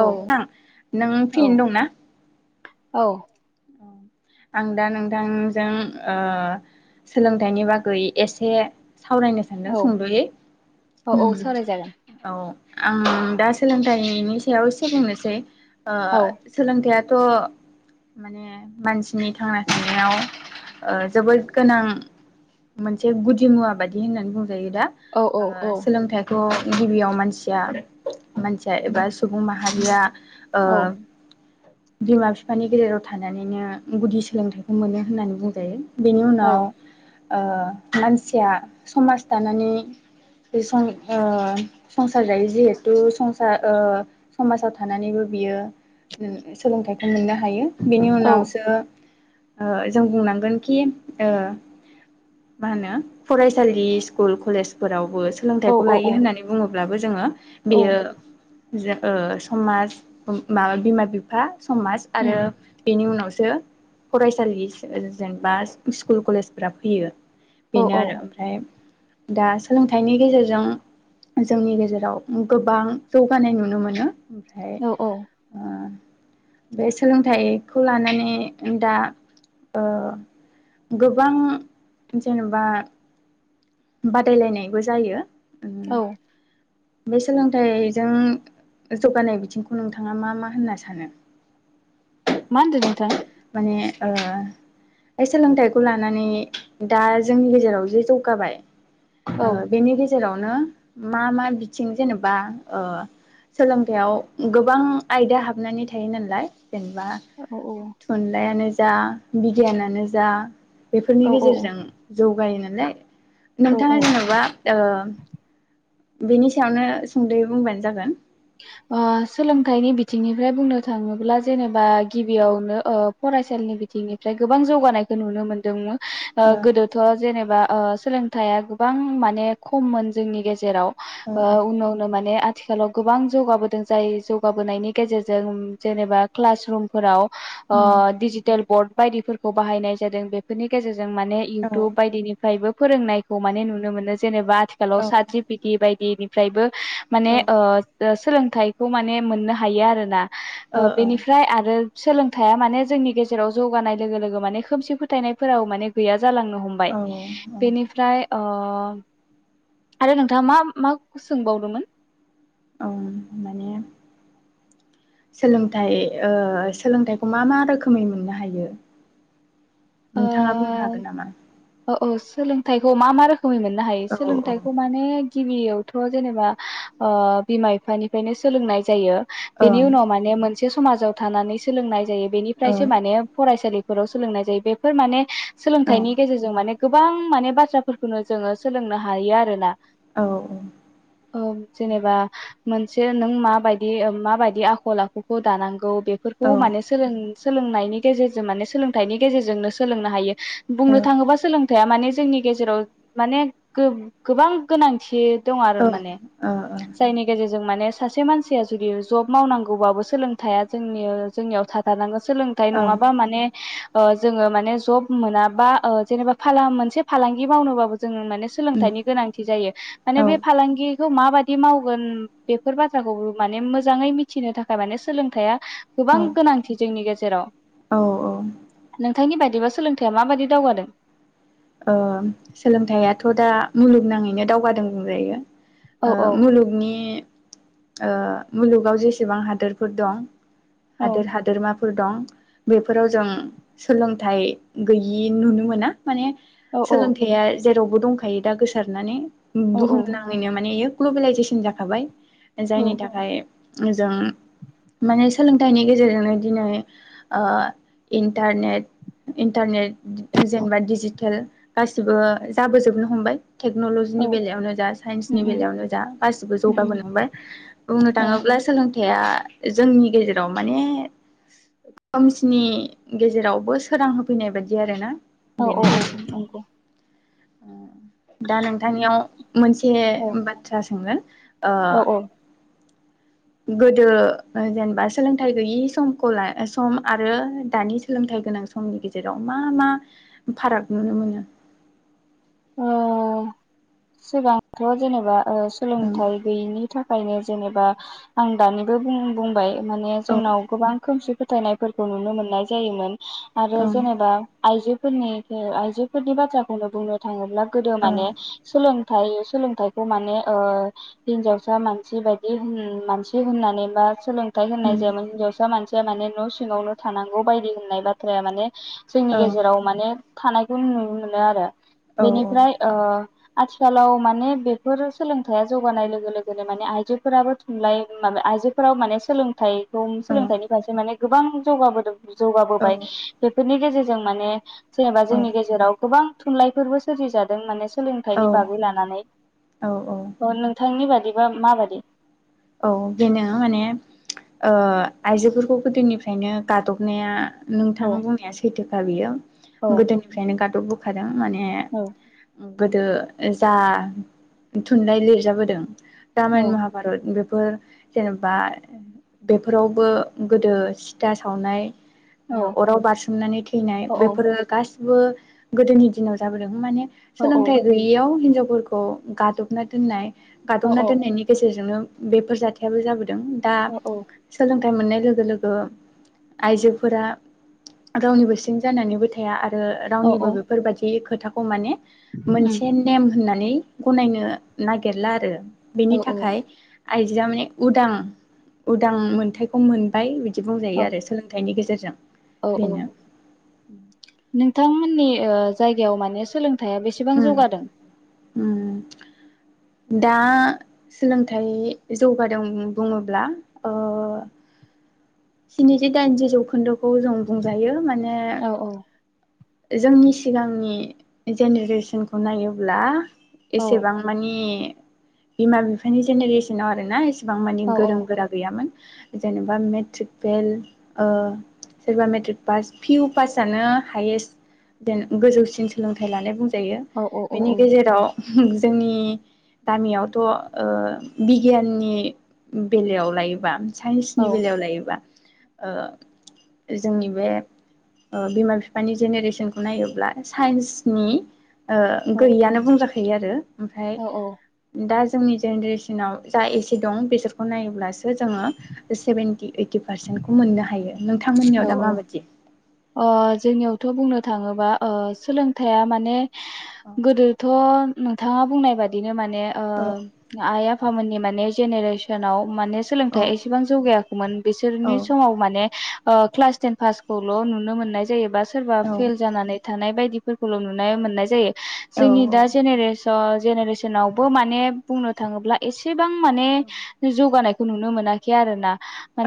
औ नों [unintelligible] नों औ फ्रियैनो दंना? औ। औ आं दा नोंथांजों ओ सोलोंथाइनि बागै एसे सावरायनो सानदों औ सुंद'यै औ ओम औ सावरायजागोन औ । आं दा सोलोंथाइनि सायाव एसे बुंनोसै ओ औ सोलोंथाया थ' माने मानसिनि थांना थानायाव ओ जोबोद गोनां मोनसे गुदि मुवा बादि होननानै बुं जायो दा औ औ ओ औ सोलोंथाय थ' गिबियाव मानसिया मानसिया एबा सुबुं माहारिया ओ औ बिमा बिफानि [unintelligible] थानानैनो गुदि सोलोंथाइखौ मोनो होननानै बुंजायो । बेनि औ उनाव ओ मानसिया समाज दानानै ओ संसार जायो जिहेथु संसार ओ समाजाव थानानैबो बियो उम्म सोलोंथाइखौ मोननो हायो । बेनि उनावसो जों बुंनांगोन कि ओ मा होनो फरायसालि स्कुल कलेजफोरावबो औ उम सोलोंथाइखौ औ लायो होननानै बुङोब्ला अब्लाबो जोंङो बेयो जो ओ समाज माबा बिमा बिफा समाज आरो बेनि उनावसो फरायसालि जेनबा स्कुल कलेजफोरा फैयो । बेनो आरो ओमफ्राय दा सोलोंथाइनि गेजेरजों जोंनि गेजेराव गोबां जौगानाय नुनो मोनो । ओमफ्राय औ औ ओ बे सोलोंथाइ खौ लानानै दा ओ गोबां जेनेबा बादायलायनायबो जायो । औ बे सोलोंथाइजों जौगानाय बिथिंखौ नोंथाङा मा मा होनना सानो? मा होनदों नोंथां? माने ओ सोलोंथाइखौ लानानै दा जोंनि गेजेराव जे जौगाबाय औ बेनि गेजे जेरावनो मा मा बिथिं जेनेबा ओ सोलोंथायाइयाव गोबां आयदा हाबनानै थायो नालाय जेनेबा औ जा बिगियानानो जा बेफोरनि औ गेजेरजों जौगायो [unintelligible] औ औ नोंथाङा औ जेन'बा ओ बेनि सायावनो सुंद'यै बुंबानो जागोन। ओ सोलोंथाइनि बिथिंनिफ्राय बुंनो थाङोब्ला जेनेबा गिबियावनो ओ फरायसालिनि बिथिंनिफ्राय गोबां जौगानायखौ नुनो मोनदोंमोन। ओ गोदोथ' जेनबा ओ सोलोंथाइया गोबां माने खममोन जोंनि गेजेराव। ओ उनाव उनो माने थिखालाव गोबां जौगाबोदों जाय जौगाबोनायनि गेजेरजों उम जेनेबा क्लास रुमफोराव हो उम दिजिटेल बरड बायदिफोरखौ बाहायनाय जादों बेफोरनि गेजेरजों जों माने औ इउटुब बायदिनिफ्रायबो फोरोंनायखौ माने नुनो मोनो जेनेबा थिखालाव औ सात जिफिथि बाय बे बिफ्रायबो माने ओ सोलोंथाइखौ माने मोननो हायो आरोना। औ ओ बेनिफ्राय आरो सोलोंथाया माने जोंनि गेजेराव जौगानाय लोगो लोगो माने खोमसि फोथायनायफोराव माने गैया जालांनो हमबाय औ बेनिफ्राय अ आरो नोंथाङा मा माखौ सोंबावदोंमोन? अ माने सोलोंथाइ ओ सोलोंथाइखौ मा मा रोखोमै मोननो हायो? नोंथाङा बुंनो हागोन नामा? ओ औ सोलोंथाइखौ मा मा रो गुबै मोननो हायो औ औ सोलोंथाइखौ माने गिबियावथ' जेनेबा ओ बिमा बिफानिफ्रायनो सोलोंनाय जायो। बेनि ओं उनाव माने मोन मोनसे समाजाव थानानै सोलोंनाय जायो ओं बेनिफ्रायसो माने फरायसालि फोराव सोलोंनाय जायो बे फोर माने ओं सोलोंथाइनि गेजेरजों माने गोबां माने बाथ्राफोरखौनो जोङो सोलोंनो हायो आरोना। औ ओ औ जेनेबा मोनसे नों माबायदि ओम माबायदि आखल आखुखौ दानांगौ बेफोरखौ ओं माने सोलों सोलोंनायनि गेजेरजो माने सोलोंथाइनि गेजेरजोंनो सोलोंनो हायो बुंनो थाङोबा सोलोंथाया माने जोंनि गेजेराव माने गो-गोबां गोनांथि दं आरो ओ माने जायनि गेजेरजों माने सासे मानसिया जुदि जब मावनांगौबाबो सोलोंथाइया जोंनि जोंनियाव थाथारनांगोन। सोलोंथाइ ओं नङाबा माने ओ जोङो मा ने जब मोनाबा ओ जेनेबा मोनसे फालांगि मावनोबाबो जों माने उम सोलोंथाइनि गोनांथि जायो माने औ बे फालांगि खौ माबायदि मावगोन बेफोर बाथ्राखौबो माने मोजाङै मिथिनो थाखाय माने सोलोंथाइया गोबां औ गोनांथि जोंनि गेजेराव। औ ओ नोंथांनि बायदि दिबा सोलोंथायाइया माबायदि दावगादों? ओ सोलोंथाइयाथ' दा मुलुगनाङैनो दावगादों बुंजायो। औ ओ औ मुलुगनि ओ मुलुगाव जेसेबां हादोरफोर दं औ हादोर हादोरमा फोर दं बेफोराव जों सोलोंथाइ गैयि नुनो मोना। माने औ औ सोलोंथाइया जेरावबो दंखायो दा गोसारनानै औ बुहुम नाङैनो माने ग्ल'बेेलायजेसन जाखाबाय। औ जायनि थाखाय जों माने सोलोंथाइनि गेजेरजोंनो दिनै ओ इन्टारनेट इन्टारनेट जेनेबाि टेल गासिबो जाबोजोबनो हमबाय । औ टेक्न'ल'जिनि बेलायावनो जा उम साइन्सनि उम बेलायावनो जा गासिबो उम उम जौगाबोलांबाय बुंनो औ थाङोब्ला सोलों थाया जोंनि गेजेराव माने खोमसिनि गेजेरावबो सोरां होफैनाय बायदि आरोना। औ औ औ अ। दा नोंथांनियाव मोनसे औ बाथ्रा सोंनो ओ औ औ गोदो जेनेबा सोलोंथाइ गैयि समखौ सम आरो दानि सोलोंथाइ गोनां समनि गेजेराव मा मा फाराग नुनो मोनो? ओ सिगांथ' जेनेबा ओ सोलोंथाइ गैयिनि थाखाय ओंखायनो जेनेबा आं दानिबो बुंबाय माने ओं औ जोंनाव गोबां खोमसि फोथायनायफोरखौ नुनो मोननाय जायोमोन। आरो ओं जेनेबा आइजो फोरनि आइजोफोरनि बाथ्राखौनो बुंनो थाङोब्ला गोदो ओं माने सोलों थाइ सोलोंथाइखौ माने ओ हिनजावसा मानसि बायदि होन मानसि होननानै बा सोलों थाइ होननाय उम जायामोन मान माने न' सिङावनो थानांगौ बायदि होननाय बाथ्राया माने जोंनि ओं गेजेराव माने थानायखौ नुनो मोनो आरो औ बेनिफ्राय ओ आथिखालाव माने बेफोर सोलोंथाइया जौगानाय लोगो लोगोनो माने आइजोफोराबो थुनलाइ माबा आइजोफोराबो माने सोलोंथाइ दं सोलोंथाइनि फारसे माने गोबां जौगाबोदों औ जौगाबोबाय बेफोरनि गेजेरजों माने जेनेबा जोंनि गेजेराव गोबां थुनलाइफोरबो सोरजि जादों माने सोलोंथाइनि बागै लानानै औ औ नोंथांनि बा दिबा माबादि? औ बेनो मासे ओ आइजोफोरखौ गोदोनिफ्रायनो गादबनाया औ नोंथां बुंनाया सैथोखा बियो औ गोदोनिफ्रायनो गा बोखादों माने ए औ गोदो जा थुनलाइ लिरजाबोदों रामायन महाभारत बे फोर जेनेबा बेफोरावबो गोदो सिथा सावनाय औ ओ अराव बारसोमनानै थैनाय औ बेफोरो गासै बो गोदोनि दिनाव जाबोदों माने औ सोलोंथाइ गैयियाव हिनजाव फोरखौ गादबना दोननाय औ गादबना दोननायनि गेजेरजोंनो। बेफोर जाथायाबो जाबो दों दा औ सोलों थाइ मोननाय लोगो लोगो आइजोफोरा रावनिबो सिं जानानैबो थाया आ रो औ रावनिबो बेफोर बायदि खोथाखौ माने। उम मोनसे नेम होननाय। नै गनायनो नागिरला आरो। बेनि औ थाखाय। आइजोआ माने उदां उदां मोनथखौ मोनबाय बिद औ बुंजायो आरो सोलोंथाइनि गेजेरजों। औ [unintelligible] औ बेनो। नोंथांमोननि ओ जायगायाव माने सोलों। थाइया बेसेबां उम जौगादों । उम दा सोलोंथाइ जौगादों बुङोब्ला ओ स्निजि दाइनजि जौखोन्दोखौ जों बुंजायो माने औ औ। जोंनि सिगांनि जेनेरेसनखौ नायोब्ला। औ एसेबां मानि। बिमा बिफानि जेनेरेसनाव आरो ना एस बां मानि औ गोरों गोरा गैयामोन । जेनेबा मेट्रिक फेल ओ सोरबा मेट्रिक फास फिअ फासानो हायेस्ट। देन गोजौसिन सोलोंथाइ लानाय बुं जायो औ औ औ बेनि गेजेराव। हम जोंनि गामियावथ ओ बिगियाननि बेलायाव लायोबा। औ साइन्सनि बेलायाव लायोबा। ओ जोंनि बे ओ बिमा बिफानि जेनेरेसन [unintelligible] खौ नायोब्ला साइन्सनि। ओ गैयियानो बुंजाख थायो आरो। ओमफा औ दाज जोंनि जेनेरेसनाव जा एसे दं बिसोरखौ नायोब्लासो। जोङो सेबेन्थि ओइथ। बे फारसेन्टखौ मोननो हायो । नोंथां मोननियाव दा माबायदि? अ जोंनियावथ' बुंनो थाङोबा ओ सोलोंथाइया माने औ गोदोथ' नोंथाङा बुंनाय बादिनो माने ने ओ आइ आफ आफामोननि माने जेनेरेसनाव। माने औ सोलोंथाइआ एसेबां जौगाया मोन बिसोरनि समाव माने ओ क्लास टेन फास द' नुनो मोननाय जायोबा सोरबा औ फेल जानानै थानाय बायदि दिफोरखौल नुनो मोननाय जायो। औ जोंनि दा जेनेरेसन स जेनेरेसनावबो माने बुंनो थाङोब्ला एसे गोबां माने जौगानाय खौ नुनो मोनाखै आरो ना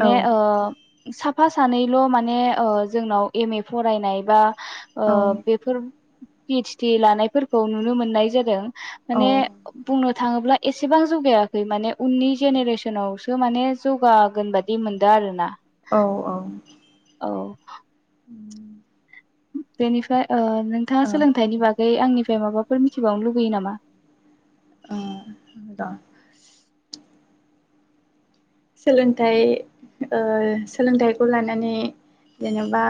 औ ओ साफा सानैल माने जोंनाव एम ए फरायनाय बा ओ औ बेफोर पि एइस डि लानायफोरखौ नुनो मोननाय जादों। औ माने औ बुंनो थाङोब्ला एसेबां जौगायाखै माने उनि जेनरेशनआवावसो ओ माने जौगागोन बादि मोनदों आरो ना औ औ बेनिफ्राय ओ नोंथाङा सोलोंथाइनि बागै आंनि फ्राय माबाफोर मिथिबावनो लुगैयो नामा? ओ आदा सोलोंथाइ सोलोंथाइखौ लानानै जेनेबा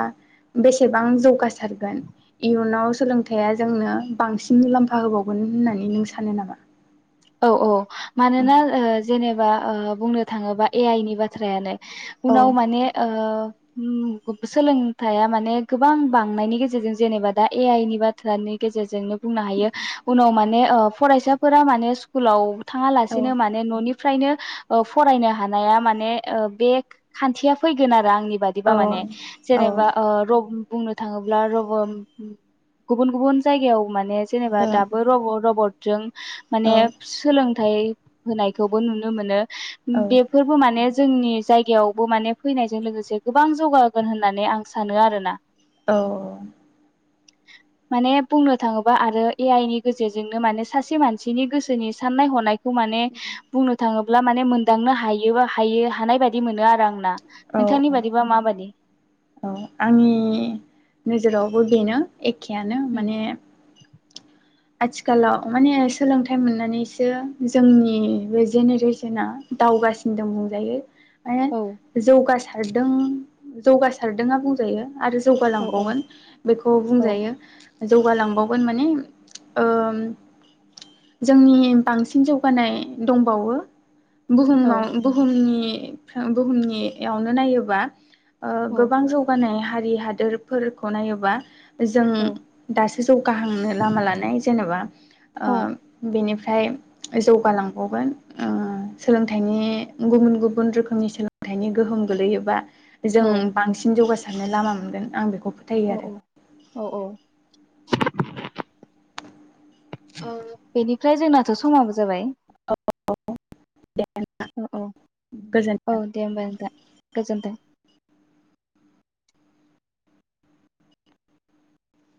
बेसेबां जौगासारगोन इयुनाव सोलोंथाइया जोंनो बांसिन मुलाम्फा होबावगोन होननानै नों सानो नामा? औ औ मानोना जेने बा बुंनो थाङोबा ए आइ नि बाथ्रायानो। औ उनाव माने ओ [unintelligible] सोलोंथाइया माने गोबां बांनायनि गेजेरजों जेनेबा दा ए आइ नि बाथ्रानि गेजेरजोंनो बुंनो हायो उनाव माने ओ फरायसाफोरा माने। स्खुलाव औ थाङालासिनो माने ननि फ्रायनो फरायनो हानाया माने बे खान्थिया फैगोन आरो। आंनि औ बादिबा माने जेनेबा ओ रम बुंनो थाङोब्ला र गुबुन गुबुन जायगायाव माने। जेननोबा औ दाबो रब रबद जों औ माने सोलोंथाइ होनायखौबो नुनो मोनो बेफोरबो माने जोंनि जायगायावबो माने फैनायजों लोगोसे गोबां जौगागोन होननानै आं सानो आरोना औ औ माने बुंनो थाङोबा आरो ए आइ नि गेजेरजोंनो माने सासे मानसिनि गोसो जोंनि साननाय हनाय खौ माने बुंनो थाङो ब्ला माने मोनदांनो हायो बा हायो हानाय बायदि मोनो आरो आं ना औ औ औ आंनि नोजोराव बो बेनो एखेयानो माने आथिखालाव माने सोलोंथाइ मोननानैसो जोंनि बे जेनेरेसना दावगासिन दं बुंजायो औ जौगारदों जौगासारदोंयानो बुंजायो आरो औ औ जौगालांबावगोन बेखौ औ बुंजायो जौगालांबावगोन माने ओ जोंनि बांसिन जौगानाय दंबावो औ बुहुमाव बुहुमनि [unintelligible] बुहुमनियावनो नायोबा ओ औ गोबां जौगानाया हारि हादोरफोरखौ नायोबा जों दासो जौगाहांनो लामा लानाय जेनेबा ओ औ बेनि फ्राइ जौगालांबावगोन ओ सोलोंथाइनि गुबुन गुबुन रोखोमनि सोलों थाइनि गोहोम गोलैयोबा जों बांसिन जौगासिन नो लामा मोनगोन आं बेखौ फोथायो आरो औ औ औ औ आ बेनि ओमफ्राय जोंनाथ' समाबो जाबाय दे औ औ गोजोन्थों औ दे होमबा दा गोजोनथों